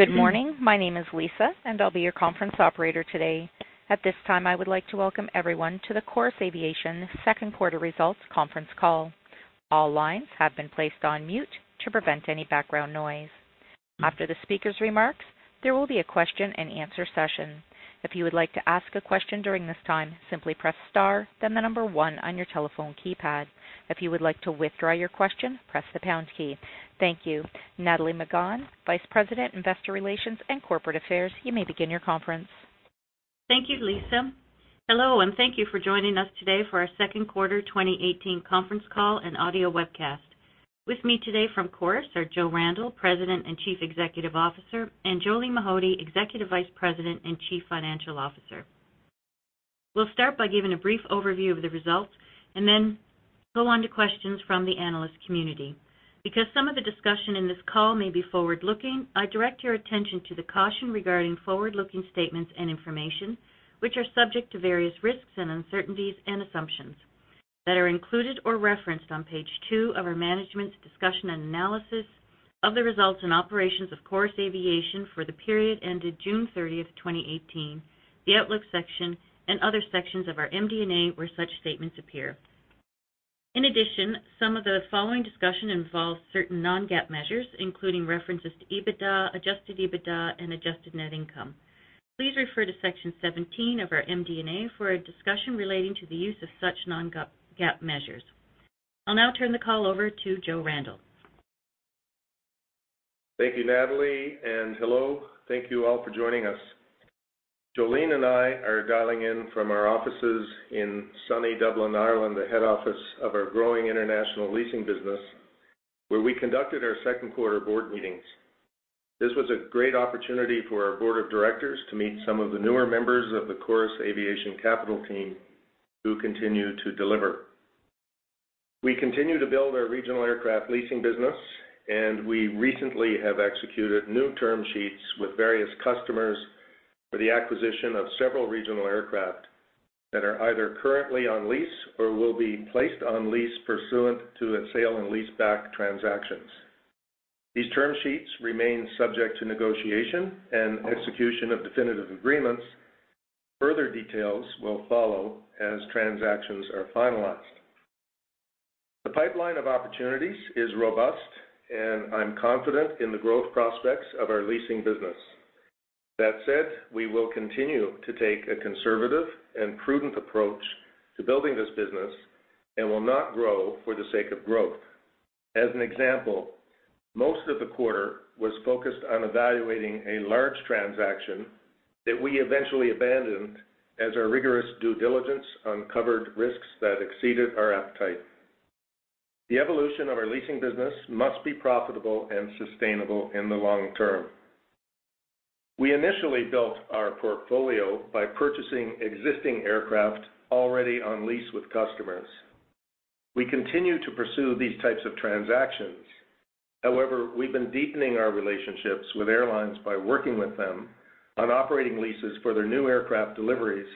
Good morning. My name is Lisa, and I'll be your conference operator today. At this time, I would like to welcome everyone to the Chorus Aviation second quarter results conference call. All lines have been placed on mute to prevent any background noise. After the speaker's remarks, there will be a question-and-answer session. If you would like to ask a question during this time, simply press star, then the number one on your telephone keypad. If you would like to withdraw your question, press the pound key. Thank you. Nathalie Megann, Vice President, Investor Relations and Corporate Affairs, you may begin your conference. Thank you, Lisa. Hello, and thank you for joining us today for our Second Quarter 2018 Conference Call and Audio Webcast. With me today from Chorus are Joe Randell, President and Chief Executive Officer, and Jolene Mahody, Executive Vice President and Chief Financial Officer. We'll start by giving a brief overview of the results and then go on to questions from the analyst community. Because some of the discussion in this call may be forward-looking, I direct your attention to the caution regarding forward-looking statements and information, which are subject to various risks and uncertainties and assumptions that are included or referenced on page 2 of our management's discussion and analysis of the results and operations of Chorus Aviation for the period ended June 30, 2018, the Outlook section, and other sections of our MD&A where such statements appear. In addition, some of the following discussion involves certain non-GAAP measures, including references to EBITDA, adjusted EBITDA, and adjusted net income. Please refer to section 17 of our MD&A for a discussion relating to the use of such non-GAAP measures. I'll now turn the call over to Joe Randell. Thank you, Natalie, and hello. Thank you all for joining us. Jolene and I are dialing in from our offices in sunny Dublin, Ireland, the head office of our growing international leasing business, where we conducted our second quarter board meetings. This was a great opportunity for our board of directors to meet some of the newer members of the Chorus Aviation Capital team who continue to deliver. We continue to build our regional aircraft leasing business, and we recently have executed new term sheets with various customers for the acquisition of several regional aircraft that are either currently on lease or will be placed on lease pursuant to a sale and lease-back transactions. These term sheets remain subject to negotiation and execution of definitive agreements. Further details will follow as transactions are finalized. The pipeline of opportunities is robust, and I'm confident in the growth prospects of our leasing business. That said, we will continue to take a conservative and prudent approach to building this business and will not grow for the sake of growth. As an example, most of the quarter was focused on evaluating a large transaction that we eventually abandoned as our rigorous due diligence uncovered risks that exceeded our appetite. The evolution of our leasing business must be profitable and sustainable in the long term. We initially built our portfolio by purchasing existing aircraft already on lease with customers. We continue to pursue these types of transactions. However, we've been deepening our relationships with airlines by working with them on operating leases for their new aircraft deliveries,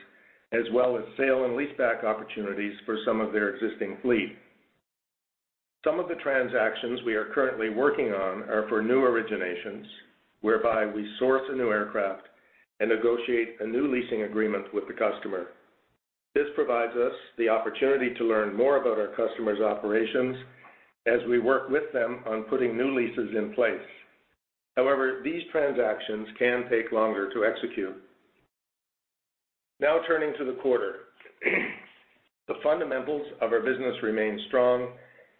as well as sale and lease-back opportunities for some of their existing fleet. Some of the transactions we are currently working on are for new originations, whereby we source a new aircraft and negotiate a new leasing agreement with the customer. This provides us the opportunity to learn more about our customers' operations as we work with them on putting new leases in place. However, these transactions can take longer to execute. Now turning to the quarter, the fundamentals of our business remain strong,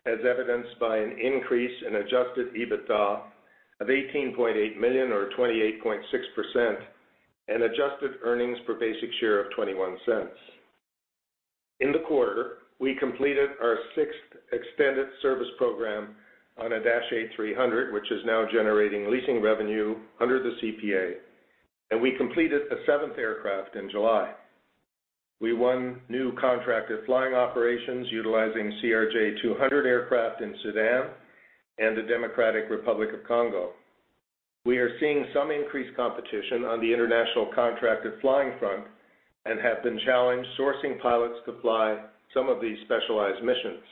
as evidenced by an increase in Adjusted EBITDA of 18.8 million, or 28.6%, and Adjusted Earnings Per Basic Share of 0.21. In the quarter, we completed our sixth Extended Service Program on a Dash 8-300, which is now generating leasing revenue under the CPA, and we completed a seventh aircraft in July. We won new contracted flying operations utilizing CRJ-200 aircraft in Sudan and the Democratic Republic of the Congo. We are seeing some increased competition on the international contracted flying front and have been challenged sourcing pilots to fly some of these specialized missions.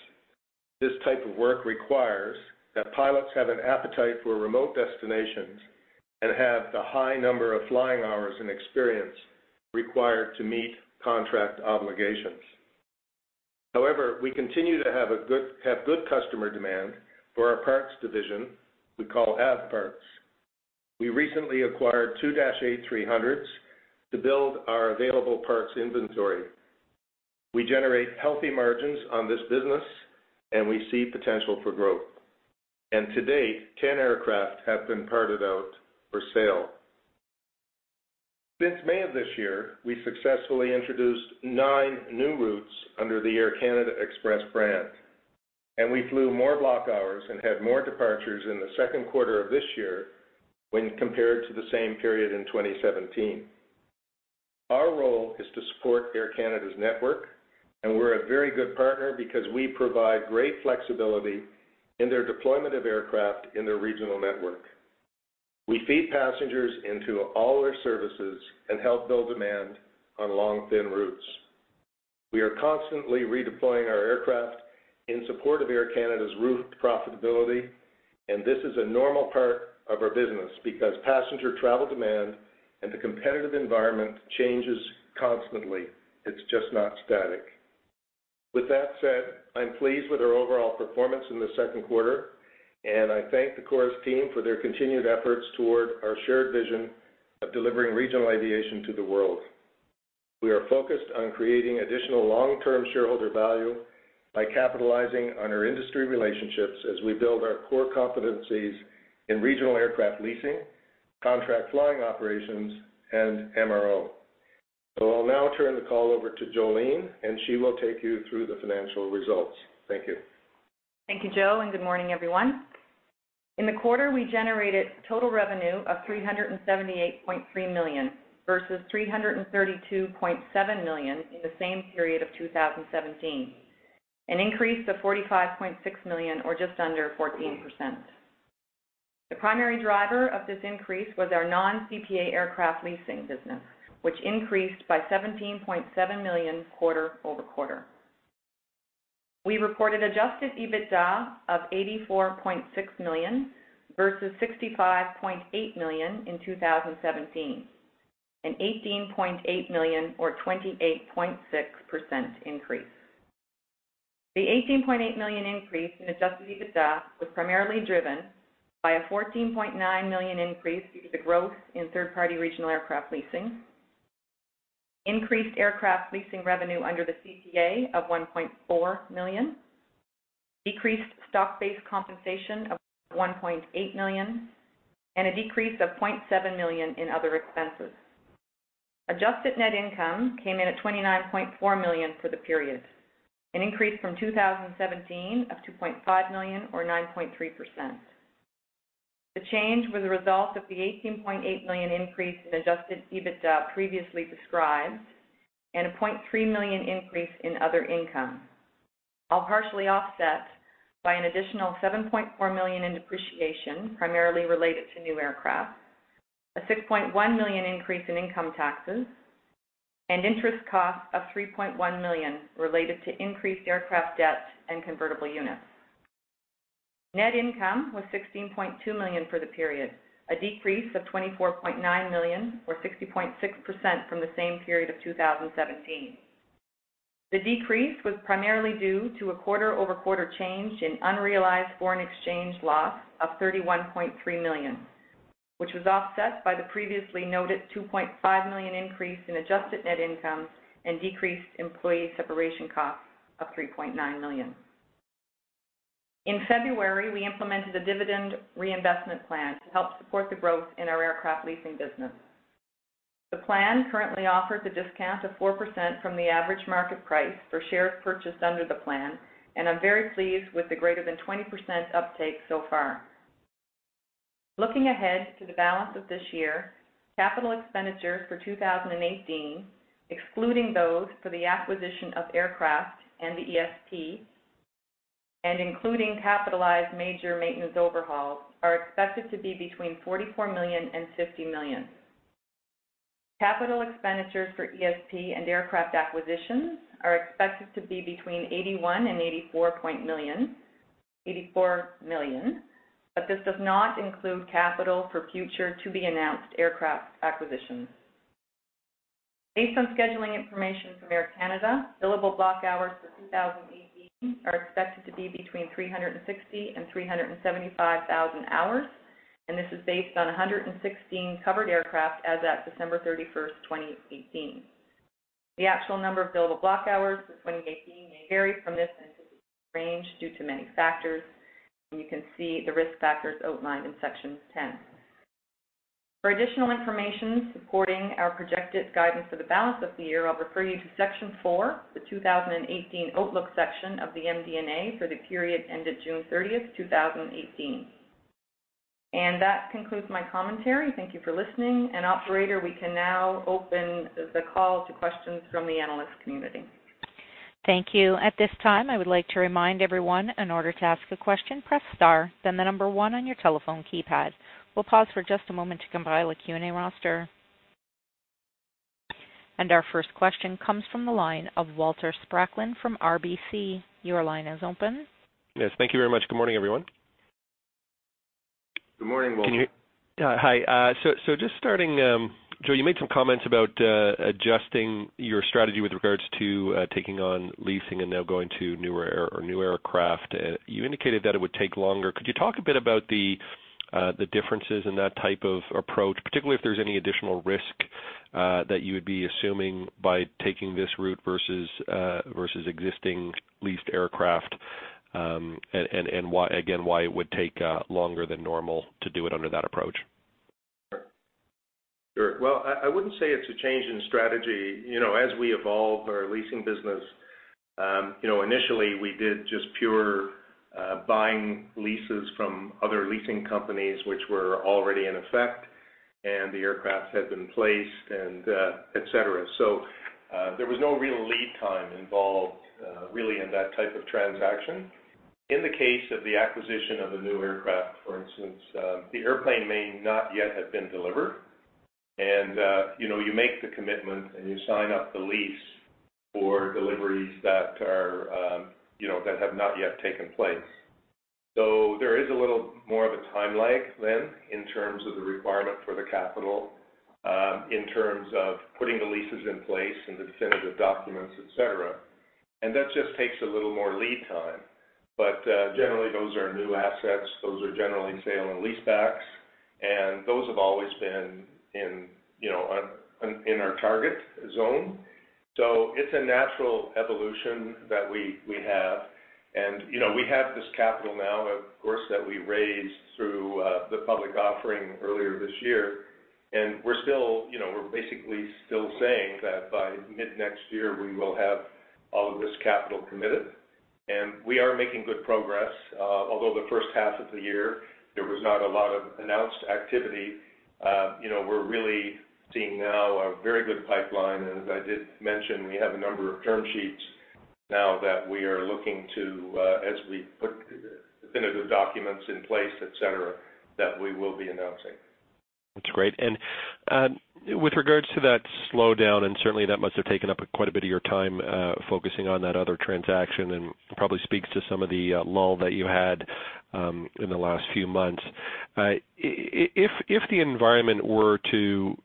This type of work requires that pilots have an appetite for remote destinations and have the high number of flying hours and experience required to meet contract obligations. However, we continue to have good customer demand for our parts division we call AvParts. We recently acquired two Dash 8-300s to build our available parts inventory. We generate healthy margins on this business, and we see potential for growth. To date, 10 aircraft have been parted out for sale. Since May of this year, we successfully introduced nine new routes under the Air Canada Express brand, and we flew more block hours and had more departures in the second quarter of this year when compared to the same period in 2017. Our role is to support Air Canada's network, and we're a very good partner because we provide great flexibility in their deployment of aircraft in their regional network. We feed passengers into all our services and help build demand on long, thin routes. We are constantly redeploying our aircraft in support of Air Canada's route profitability, and this is a normal part of our business because passenger travel demand and the competitive environment changes constantly. It's just not static. With that said, I'm pleased with our overall performance in the second quarter, and I thank the Chorus team for their continued efforts toward our shared vision of delivering regional aviation to the world. We are focused on creating additional long-term shareholder value by capitalizing on our industry relationships as we build our core competencies in regional aircraft leasing, contract flying operations, and MRO. I'll now turn the call over to Jolene, and she will take you through the financial results. Thank you. Thank you, Joe, and good morning, everyone. In the quarter, we generated total revenue of 378.3 million versus 332.7 million in the same period of 2017, an increase of 45.6 million, or just under 14%. The primary driver of this increase was our non-CPA aircraft leasing business, which increased by 17.7 million quarter-over-quarter. We reported Adjusted EBITDA of 84.6 million versus 65.8 million in 2017, an 18.8 million, or 28.6%, increase. The 18.8 million increase in Adjusted EBITDA was primarily driven by a 14.9 million increase due to the growth in third-party regional aircraft leasing, increased aircraft leasing revenue under the CPA of 1.4 million, decreased stock-based compensation of 1.8 million, and a decrease of 0.7 million in other expenses. Adjusted Net Income came in at 29.4 million for the period, an increase from 2017 of 2.5 million, or 9.3%. The change was a result of the 18.8 million increase in Adjusted EBITDA previously described and a 0.3 million increase in other income, all partially offset by an additional 7.4 million in depreciation, primarily related to new aircraft, a 6.1 million increase in income taxes, and interest costs of 3.1 million related to increased aircraft debt and convertible units. Net income was 16.2 million for the period, a decrease of 24.9 million, or 60.6%, from the same period of 2017. The decrease was primarily due to a quarter-over-quarter change in unrealized foreign exchange loss of 31.3 million, which was offset by the previously noted 2.5 million increase in Adjusted Net Income and decreased employee separation costs of 3.9 million. In February, we implemented a Dividend Reinvestment Plan to help support the growth in our aircraft leasing business. The plan currently offers a discount of 4% from the average market price for shares purchased under the plan, and I'm very pleased with the greater than 20% uptake so far. Looking ahead to the balance of this year, capital expenditures for 2018, excluding those for the acquisition of aircraft and the ESP, and including capitalized major maintenance overhauls, are expected to be between 44 million and 50 million. Capital expenditures for ESP and aircraft acquisitions are expected to be between 81 million and 84 million, but this does not include capital for future to-be-announced aircraft acquisitions. Based on scheduling information from Air Canada, billable block hours for 2018 are expected to be between 360,000 and 375,000 hours, and this is based on 116 covered aircraft as of December 31, 2018. The actual number of billable block hours for 2018 may vary from this range due to many factors, and you can see the risk factors outlined in section 10. For additional information supporting our projected guidance for the balance of the year, I'll refer you to section four, the 2018 Outlook section of the MD&A for the period ended June 30, 2018. That concludes my commentary. Thank you for listening. Operator, we can now open the call to questions from the analyst community. Thank you. At this time, I would like to remind everyone, in order to ask a question, press star, then the number one on your telephone keypad. We'll pause for just a moment to compile a Q&A roster. And our first question comes from the line of Walter Spracklin from RBC. Your line is open. Yes. Thank you very much. Good morning, everyone. Good morning, Walter. Can you hear? Hi. So just starting, Joe, you made some comments about adjusting your strategy with regards to taking on leasing and now going to newer aircraft. You indicated that it would take longer. Could you talk a bit about the differences in that type of approach, particularly if there's any additional risk that you would be assuming by taking this route versus existing leased aircraft, and again, why it would take longer than normal to do it under that approach? Sure. Sure. Well, I wouldn't say it's a change in strategy. As we evolve our leasing business, initially, we did just pure buying leases from other leasing companies which were already in effect, and the aircraft had been placed, etc. So there was no real lead time involved, really, in that type of transaction. In the case of the acquisition of a new aircraft, for instance, the airplane may not yet have been delivered, and you make the commitment, and you sign up the lease for deliveries that have not yet taken place. So there is a little more of a time lag then in terms of the requirement for the capital, in terms of putting the leases in place and the definitive documents, etc. And that just takes a little more lead time. But generally, those are new assets. Those are generally sale and leasebacks, and those have always been in our target zone. It's a natural evolution that we have. We have this capital now, of course, that we raised through the public offering earlier this year, and we're basically still saying that by mid-next year, we will have all of this capital committed. We are making good progress. Although the first half of the year, there was not a lot of announced activity, we're really seeing now a very good pipeline. As I did mention, we have a number of term sheets now that we are looking to, as we put definitive documents in place, etc., that we will be announcing. That's great. With regards to that slowdown, and certainly, that must have taken up quite a bit of your time focusing on that other transaction and probably speaks to some of the lull that you had in the last few months. If the environment were to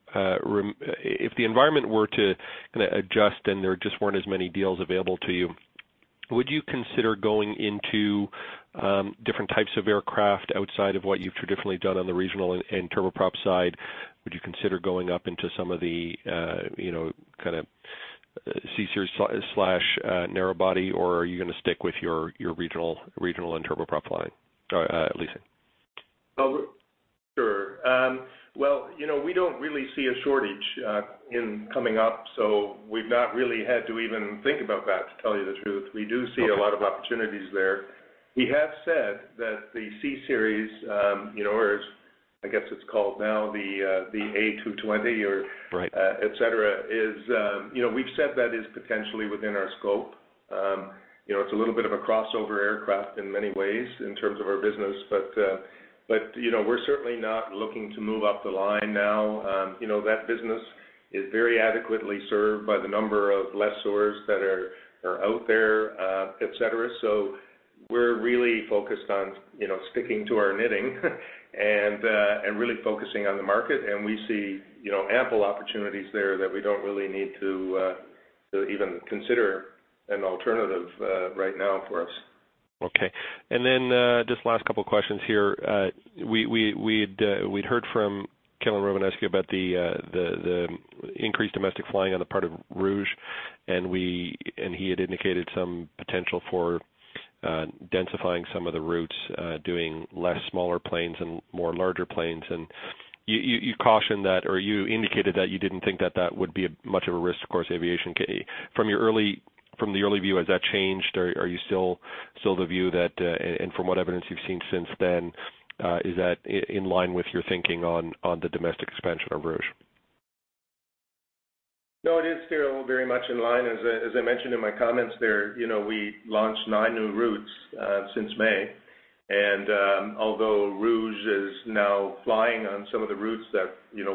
adjust and there just weren't as many deals available to you, would you consider going into different types of aircraft outside of what you've traditionally done on the regional and turboprop side? Would you consider going up into some of the kind of C Series/narrow-body, or are you going to stick with your regional and turboprop leasing? Sure. Well, we don't really see a shortage in coming up, so we've not really had to even think about that, to tell you the truth. We do see a lot of opportunities there. We have said that the C Series, or I guess it's called now the A220, or etc., is. We've said that is potentially within our scope. It's a little bit of a crossover aircraft in many ways in terms of our business, but we're certainly not looking to move up the line now. That business is very adequately served by the number of lessors that are out there, etc. So we're really focused on sticking to our knitting and really focusing on the market, and we see ample opportunities there that we don't really need to even consider an alternative right now for us. Okay. And then just last couple of questions here. We'd heard from Kevin Chiang ask you about the increased domestic flying on the part of Rouge, and he had indicated some potential for densifying some of the routes, doing less smaller planes and more larger planes. And you cautioned that, or you indicated that you didn't think that that would be much of a risk for aviation. From the early view, has that changed? Are you still the view that, and from what evidence you've seen since then, is that in line with your thinking on the domestic expansion of Rouge? No, it is still very much in line. As I mentioned in my comments there, we launched nine new routes since May. And although Rouge is now flying on some of the routes that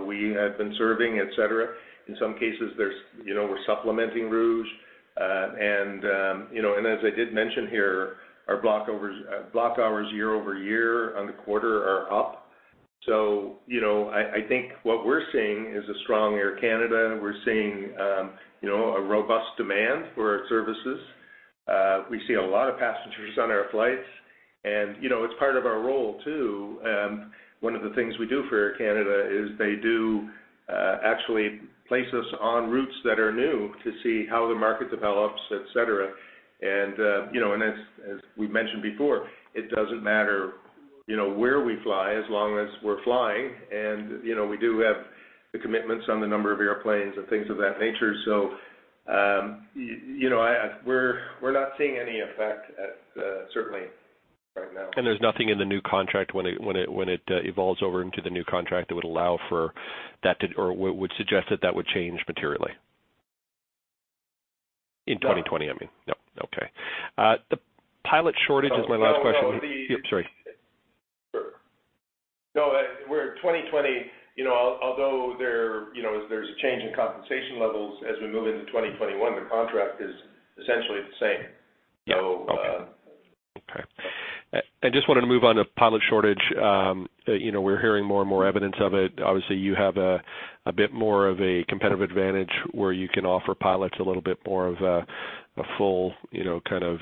we have been serving, etc., in some cases, we're supplementing Rouge. And as I did mention here, our block hours year-over-year on the quarter are up. So I think what we're seeing is a strong Air Canada. We're seeing a robust demand for our services. We see a lot of passengers on our flights, and it's part of our role, too. One of the things we do for Air Canada is they do actually place us on routes that are new to see how the market develops, etc. And as we mentioned before, it doesn't matter where we fly as long as we're flying. We do have the commitments on the number of airplanes and things of that nature. We're not seeing any effect, certainly, right now. There's nothing in the new contract when it evolves over into the new contract that would allow for that, or would suggest that that would change materially? In 2020, I mean. No. No. Okay. The pilot shortage is my last question. No, we're already sorry. Sure. No, we're in 2020. Although there's a change in compensation levels, as we move into 2021, the contract is essentially the same. So. Yeah. Okay. And just wanted to move on to pilot shortage. We're hearing more and more evidence of it. Obviously, you have a bit more of a competitive advantage where you can offer pilots a little bit more of a full kind of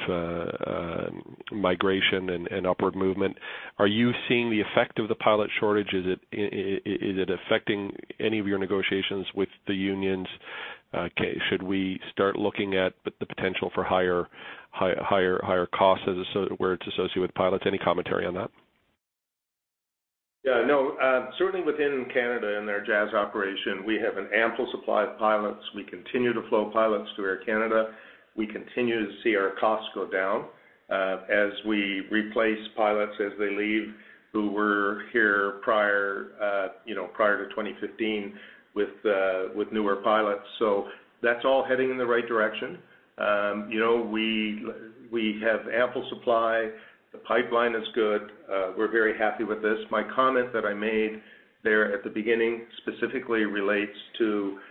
migration and upward movement. Are you seeing the effect of the pilot shortage? Is it affecting any of your negotiations with the unions? Should we start looking at the potential for higher costs where it's associated with pilots? Any commentary on that? Yeah. No, certainly within Canada and our Jazz operation, we have an ample supply of pilots. We continue to flow pilots to Air Canada. We continue to see our costs go down as we replace pilots as they leave, who were here prior to 2015 with newer pilots. So that's all heading in the right direction. We have ample supply. The pipeline is good. We're very happy with this. My comment that I made there at the beginning specifically relates to the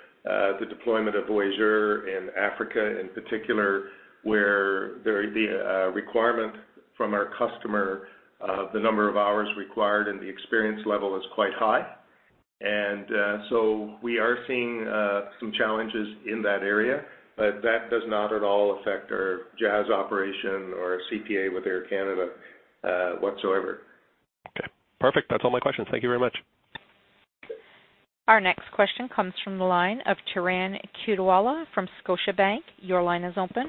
deployment of Voyageur in Africa, in particular, where the requirement from our customer, the number of hours required and the experience level is quite high. And so we are seeing some challenges in that area, but that does not at all affect our Jazz operation or CPA with Air Canada whatsoever. Okay. Perfect. That's all my questions. Thank you very much. Our next question comes from the line of Turan Quettawala from Scotiabank. Your line is open.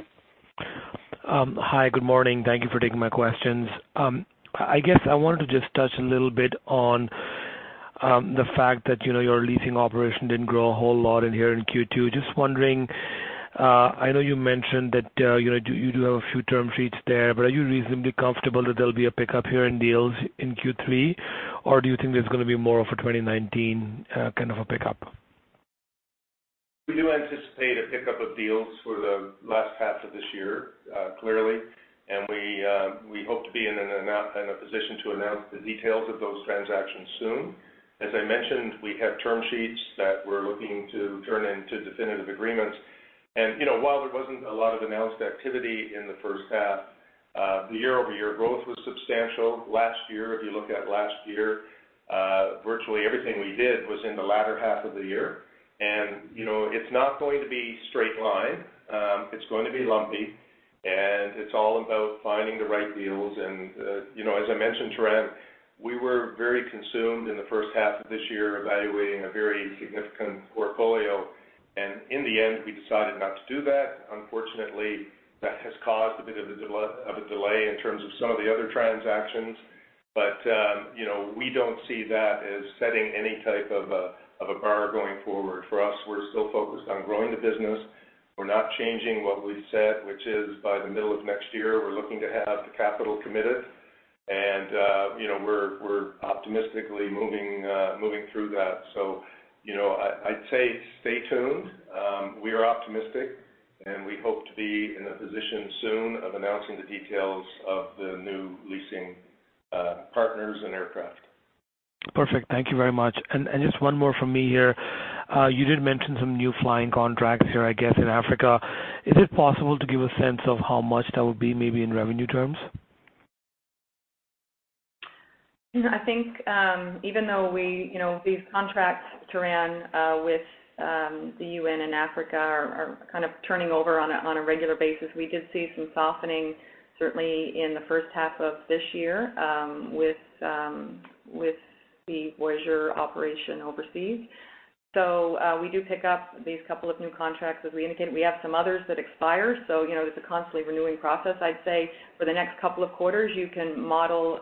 Hi. Good morning. Thank you for taking my questions. I guess I wanted to just touch a little bit on the fact that your leasing operation didn't grow a whole lot in here in Q2. Just wondering, I know you mentioned that you do have a few term sheets there, but are you reasonably comfortable that there'll be a pickup here in deals in Q3, or do you think there's going to be more of a 2019 kind of a pickup? We do anticipate a pickup of deals for the last half of this year, clearly, and we hope to be in a position to announce the details of those transactions soon. As I mentioned, we have term sheets that we're looking to turn into definitive agreements. And while there wasn't a lot of announced activity in the first half, the year-over-year growth was substantial. Last year, if you look at last year, virtually everything we did was in the latter half of the year. And it's not going to be straight line. It's going to be lumpy, and it's all about finding the right deals. And as I mentioned, Turan, we were very consumed in the first half of this year evaluating a very significant portfolio, and in the end, we decided not to do that. Unfortunately, that has caused a bit of a delay in terms of some of the other transactions, but we don't see that as setting any type of a bar going forward. For us, we're still focused on growing the business. We're not changing what we said, which is by the middle of next year, we're looking to have the capital committed, and we're optimistically moving through that. So I'd say stay tuned. We are optimistic, and we hope to be in a position soon of announcing the details of the new leasing partners and aircraft. Perfect. Thank you very much. Just one more from me here. You did mention some new flying contracts here, I guess, in Africa. Is it possible to give a sense of how much that would be, maybe in revenue terms? I think even though these contracts, Turan, with the U.N. and Africa are kind of turning over on a regular basis, we did see some softening, certainly in the first half of this year with the Voyageur operation overseas. So we do pick up these couple of new contracts. As we indicated, we have some others that expire, so it's a constantly renewing process. I'd say for the next couple of quarters, you can model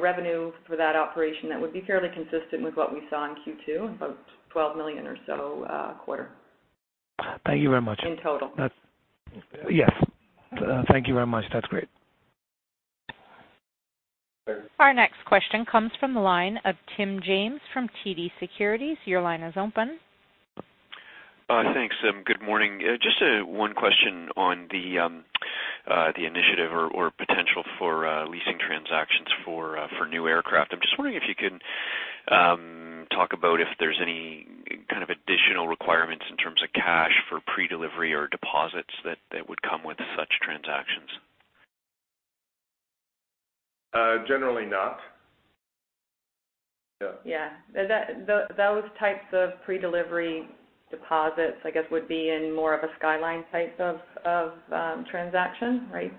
revenue for that operation that would be fairly consistent with what we saw in Q2, about 12 million or so a quarter. Thank you very much. In total. Yes. Thank you very much. That's great. Our next question comes from the line of Tim James from TD Securities. Your line is open. Hi, thanks, Tim. Good morning. Just one question on the initiative or potential for leasing transactions for new aircraft. I'm just wondering if you can talk about if there's any kind of additional requirements in terms of cash for pre-delivery or deposits that would come with such transactions. Generally not. Yeah. Yeah. Those types of pre-delivery deposits, I guess, would be in more of a skyline type of transaction, right,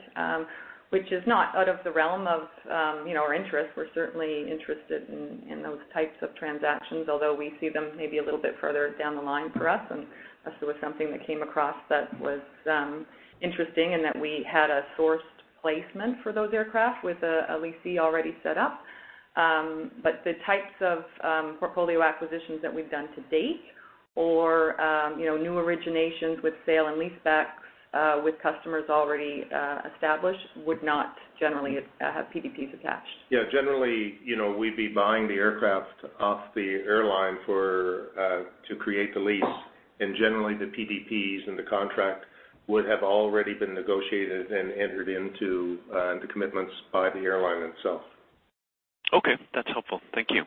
which is not out of the realm of our interest. We're certainly interested in those types of transactions, although we see them maybe a little bit further down the line for us. And this was something that came across that was interesting in that we had a sourced placement for those aircraft with a lessee already set up. But the types of portfolio acquisitions that we've done to date or new originations with sale and lease-backs with customers already established would not generally have PDPs attached. Yeah. Generally, we'd be buying the aircraft off the airline to create the lease, and generally, the PDPs and the contract would have already been negotiated and entered into the commitments by the airline itself. Okay. That's helpful. Thank you.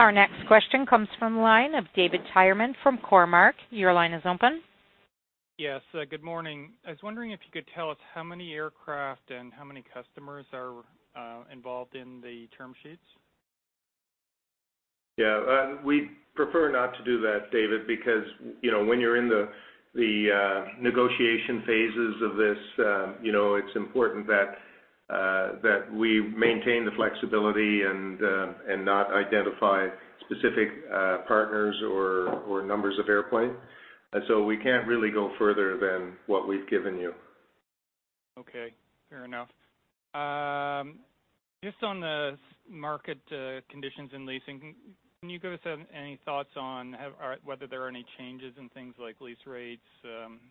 Our next question comes from the line of David Tyerman from Cormark. Your line is open. Yes. Good morning. I was wondering if you could tell us how many aircraft and how many customers are involved in the term sheets? Yeah. We'd prefer not to do that, David, because when you're in the negotiation phases of this, it's important that we maintain the flexibility and not identify specific partners or numbers of airplanes. And so we can't really go further than what we've given you. Okay. Fair enough. Just on the market conditions and leasing, can you give us any thoughts on whether there are any changes in things like lease rates,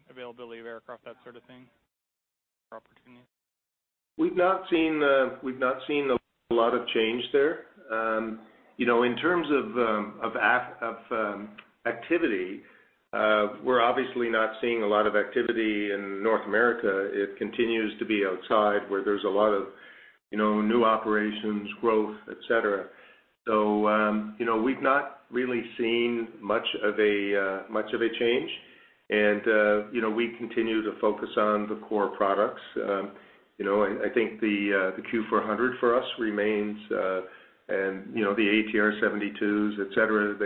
availability of aircraft, that sort of thing? Opportunity? We've not seen a lot of change there. In terms of activity, we're obviously not seeing a lot of activity in North America. It continues to be outside where there's a lot of new operations, growth, etc. So we've not really seen much of a change, and we continue to focus on the core products. I think the Q400 for us remains and the ATR-72s, etc.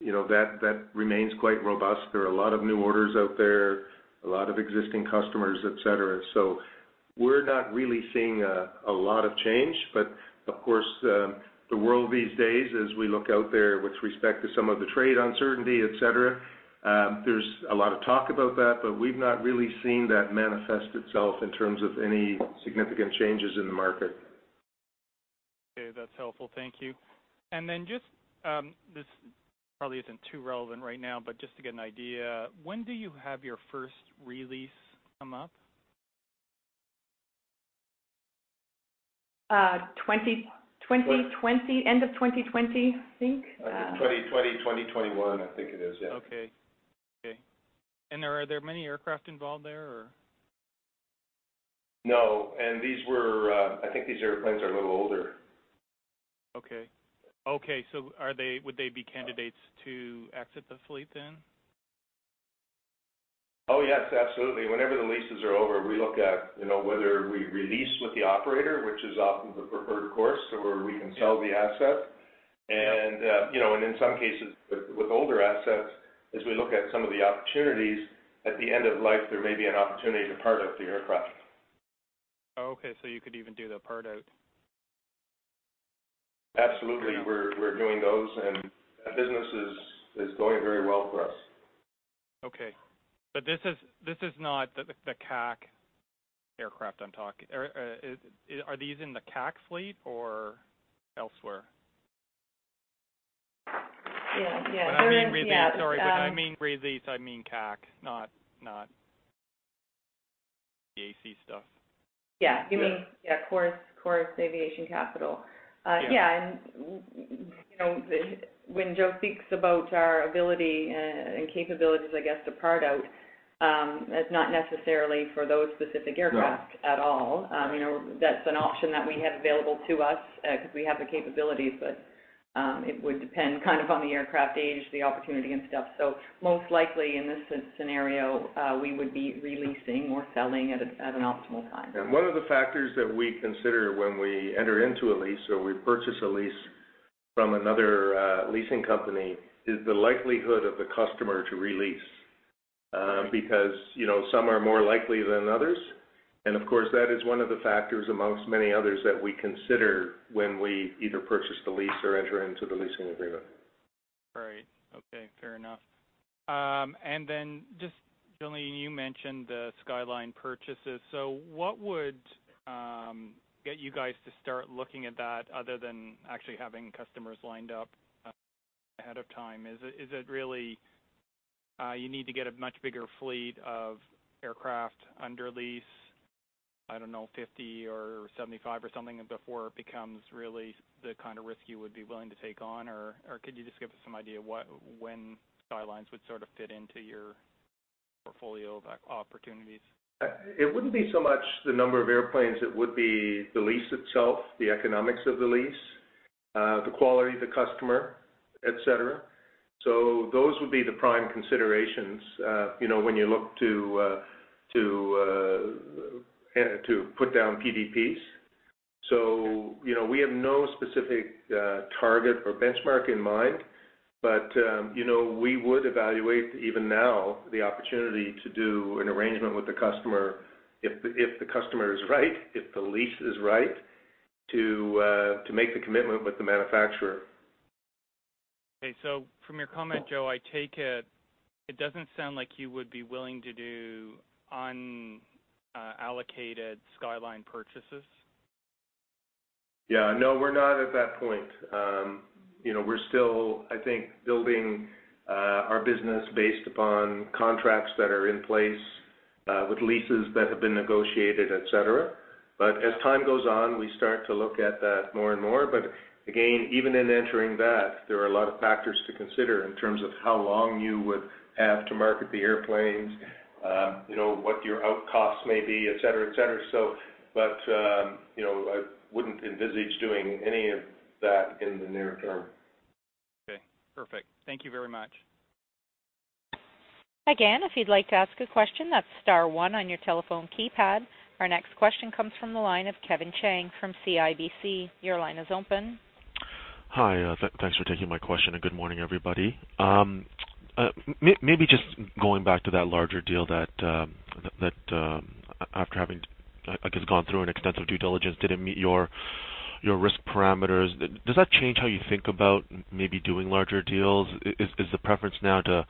That remains quite robust. There are a lot of new orders out there, a lot of existing customers, etc. So we're not really seeing a lot of change. But of course, the world these days, as we look out there with respect to some of the trade uncertainty, etc., there's a lot of talk about that, but we've not really seen that manifest itself in terms of any significant changes in the market. Okay. That's helpful. Thank you. And then just this probably isn't too relevant right now, but just to get an idea, when do you have your first lease come up? 2020, end of 2020, I think. End of 2020, 2021, I think it is. Yeah. Okay. Okay. Are there many aircraft involved there, or? No. And I think these airplanes are a little older. Okay. Okay. So would they be candidates to exit the fleet then? Oh, yes. Absolutely. Whenever the leases are over, we look at whether we release with the operator, which is often the preferred course, or we can sell the asset. In some cases with older assets, as we look at some of the opportunities, at the end of life, there may be an opportunity to part out the aircraft. Oh, okay. So you could even do the part out. Absolutely. We're doing those, and that business is going very well for us. Okay. But this is not the CAC aircraft I'm talking. Are these in the CAC fleet or elsewhere? Yeah. Yeah. They're in CAC. I mean release. Sorry. When I mean release, I mean CAC, not the AC stuff. Yeah. You mean, yeah, Chorus Aviation Capital. Yeah. And when Joe speaks about our ability and capabilities, I guess, to part out, that's not necessarily for those specific aircraft at all. That's an option that we have available to us because we have the capabilities, but it would depend kind of on the aircraft age, the opportunity, and stuff. So most likely, in this scenario, we would be re-leasing or selling at an optimal time. Yeah. One of the factors that we consider when we enter into a lease or we purchase a lease from another leasing company is the likelihood of the customer to release because some are more likely than others. And of course, that is one of the factors among many others that we consider when we either purchase the lease or enter into the leasing agreement. Right. Okay. Fair enough. And then just generally, you mentioned the Skyline purchases. So what would get you guys to start looking at that other than actually having customers lined up ahead of time? Is it really you need to get a much bigger fleet of aircraft under lease, I don't know, 50 or 75 or something before it becomes really the kind of risk you would be willing to take on? Or could you just give us some idea when Skylines would sort of fit into your portfolio of opportunities? It wouldn't be so much the number of airplanes. It would be the lease itself, the economics of the lease, the quality of the customer, etc. So those would be the prime considerations when you look to put down PDPs. So we have no specific target or benchmark in mind, but we would evaluate even now the opportunity to do an arrangement with the customer if the customer is right, if the lease is right, to make the commitment with the manufacturer. Okay. So from your comment, Joe, I take it it doesn't sound like you would be willing to do unallocated Skyline purchases. Yeah. No, we're not at that point. We're still, I think, building our business based upon contracts that are in place with leases that have been negotiated, etc. But as time goes on, we start to look at that more and more. But again, even in entering that, there are a lot of factors to consider in terms of how long you would have to market the airplanes, what your out costs may be, etc., etc. But I wouldn't envisage doing any of that in the near term. Okay. Perfect. Thank you very much. Again, if you'd like to ask a question, that's star one on your telephone keypad. Our next question comes from the line of Kevin Chiang from CIBC. Your line is open. Hi. Thanks for taking my question and Good morning, everybody. Maybe just going back to that larger deal that after having, I guess, gone through an extensive due diligence, didn't meet your risk parameters. Does that change how you think about maybe doing larger deals? Is the preference now to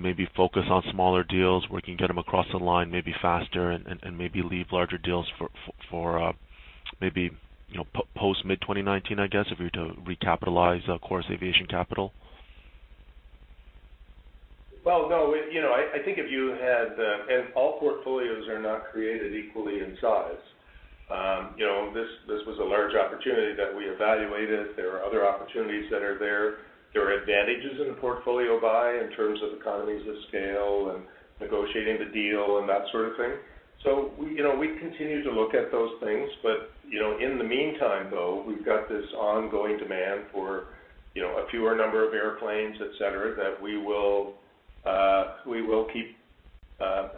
maybe focus on smaller deals where you can get them across the line maybe faster and maybe leave larger deals for maybe post-mid 2019, I guess, if you're to recapitalize Chorus Aviation Capital? Well, no. I think if you had and all portfolios are not created equally in size. This was a large opportunity that we evaluated. There are other opportunities that are there. There are advantages in the portfolio buy in terms of economies of scale and negotiating the deal and that sort of thing. So we continue to look at those things. But in the meantime, though, we've got this ongoing demand for a fewer number of airplanes, etc., that we will keep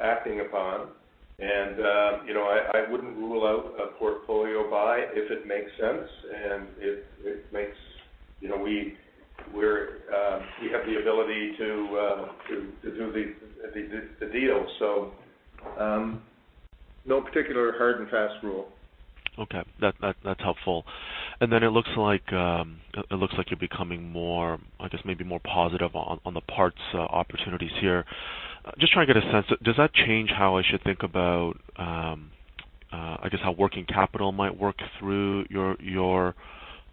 acting upon. And I wouldn't rule out a portfolio buy if it makes sense and if it makes we have the ability to do the deal. So no particular hard and fast rule. Okay. That's helpful. Then it looks like you're becoming more, I guess, maybe more positive on the parts opportunities here. Just trying to get a sense, does that change how I should think about, I guess, how working capital might work through your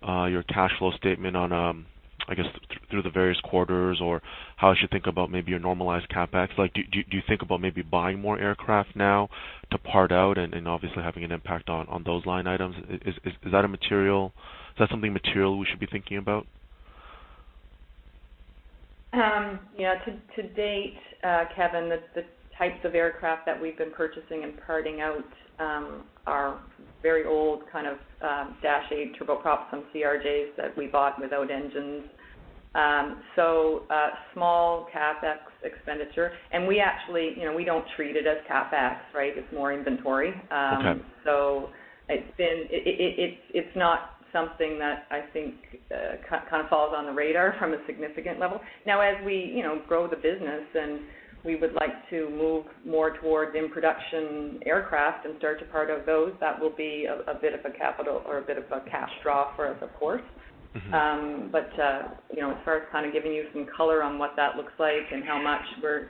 cash flow statement on, I guess, through the various quarters or how I should think about maybe your normalized CapEx? Do you think about maybe buying more aircraft now to part out and obviously having an impact on those line items? Is that a material? Is that something material we should be thinking about? Yeah. To date, Kevin, the types of aircraft that we've been purchasing and parting out are very old kind of Dash 8, turboprop, some CRJs that we bought without engines. So small CapEx expenditure. And we actually don't treat it as CapEx, right? It's more inventory. So it's not something that I think kind of falls on the radar from a significant level. Now, as we grow the business and we would like to move more towards in-production aircraft and start to part out those, that will be a bit of a capital or a bit of a cash draw for us, of course. But as far as kind of giving you some color on what that looks like and how much, we're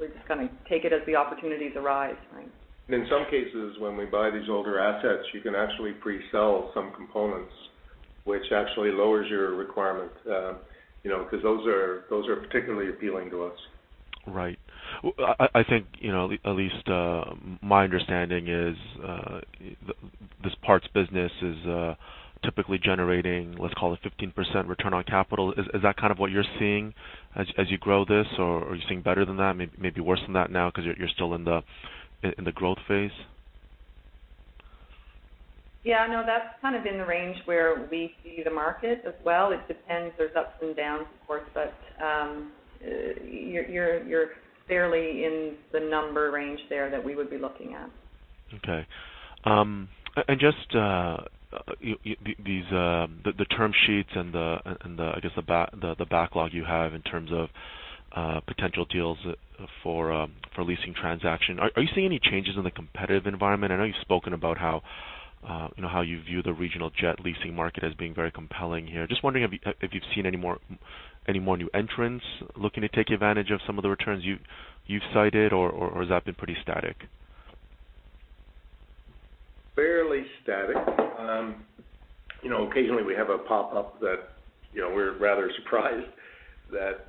just going to take it as the opportunities arise, right? In some cases, when we buy these older assets, you can actually pre-sell some components, which actually lowers your requirement because those are particularly appealing to us. Right. I think at least my understanding is this parts business is typically generating, let's call it, 15% return on capital. Is that kind of what you're seeing as you grow this, or are you seeing better than that, maybe worse than that now because you're still in the growth phase? Yeah. No, that's kind of in the range where we see the market as well. It depends. There's ups and downs, of course, but you're fairly in the number range there that we would be looking at. Okay. Just the term sheets and, I guess, the backlog you have in terms of potential deals for leasing transaction, are you seeing any changes in the competitive environment? I know you've spoken about how you view the regional jet leasing market as being very compelling here. Just wondering if you've seen any more new entrants looking to take advantage of some of the returns you've cited, or has that been pretty static? Fairly static. Occasionally, we have a pop-up that we're rather surprised that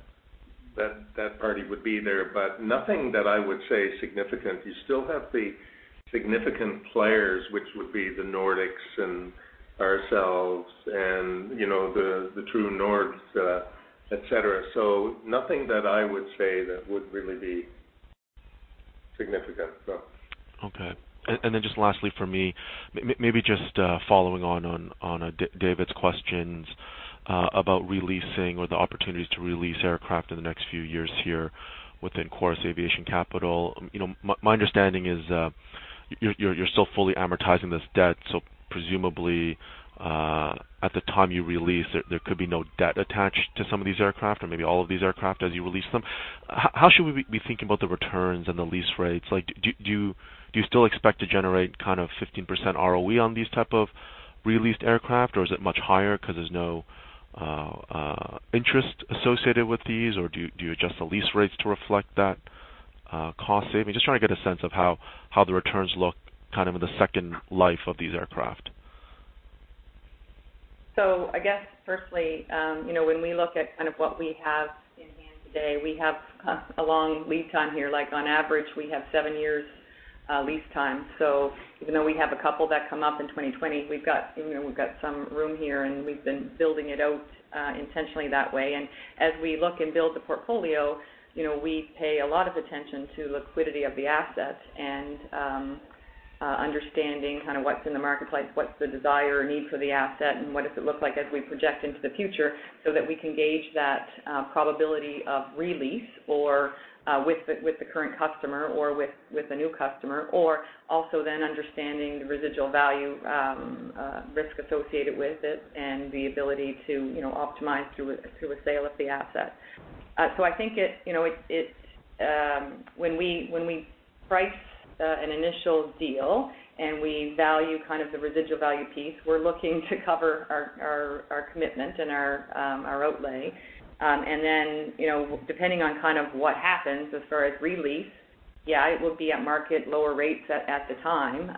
that party would be there, but nothing that I would say significant. You still have the significant players, which would be the Nordics and ourselves and the TrueNoord, etc. So nothing that I would say that would really be significant, so. Okay. And then just lastly for me, maybe just following on David's questions about releasing or the opportunities to release aircraft in the next few years here within Chorus Aviation Capital. My understanding is you're still fully amortizing this debt. So presumably, at the time you release, there could be no debt attached to some of these aircraft or maybe all of these aircraft as you release them. How should we be thinking about the returns and the lease rates? Do you still expect to generate kind of 15% ROE on these type of released aircraft, or is it much higher because there's no interest associated with these, or do you adjust the lease rates to reflect that cost saving? Just trying to get a sense of how the returns look kind of in the second life of these aircraft. So I guess, firstly, when we look at kind of what we have in hand today, we have a long lead time here. On average, we have seven years lease time. So even though we have a couple that come up in 2020, we've got some room here, and we've been building it out intentionally that way. And as we look and build the portfolio, we pay a lot of attention to liquidity of the asset and understanding kind of what's in the marketplace, what's the desire or need for the asset, and what does it look like as we project into the future so that we can gauge that probability of release with the current customer or with a new customer, or also then understanding the residual value risk associated with it and the ability to optimize through a sale of the asset. I think when we price an initial deal and we value kind of the residual value piece, we're looking to cover our commitment and our outlay. Then depending on kind of what happens as far as release, yeah, it will be at market lower rates at the time.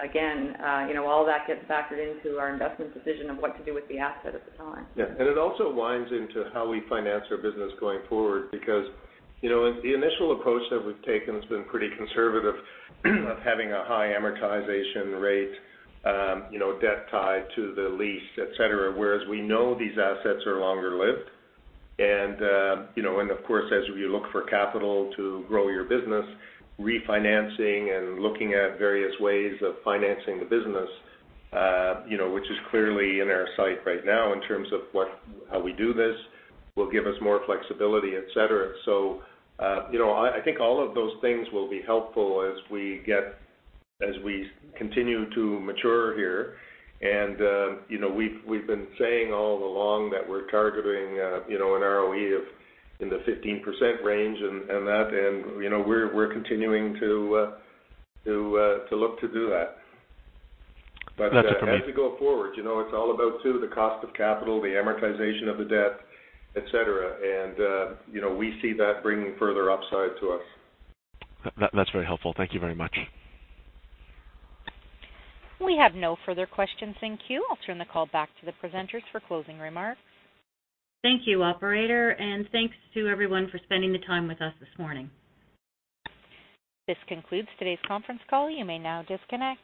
Again, all that gets factored into our investment decision of what to do with the asset at the time. Yeah. It also winds into how we finance our business going forward because the initial approach that we've taken has been pretty conservative of having a high amortization rate, debt tied to the lease, etc., whereas we know these assets are longer lived. Of course, as you look for capital to grow your business, refinancing and looking at various ways of financing the business, which is clearly in our sight right now in terms of how we do this, will give us more flexibility, etc. So I think all of those things will be helpful as we continue to mature here. We've been saying all along that we're targeting an ROE in the 15% range and that, and we're continuing to look to do that. But as we go forward, it's all about, too, the cost of capital, the amortization of the debt, etc. We see that bringing further upside to us. That's very helpful. Thank you very much. We have no further questions. Thank you. I'll turn the call back to the presenters for closing remarks. Thank you, Operator. Thanks to everyone for spending the time with us this morning. This concludes today's conference call. You may now disconnect.